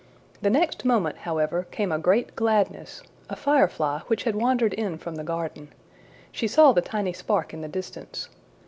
The next moment, however, came a great gladness a firefly, which had wandered in from the garden. She saw the tiny spark in the distance.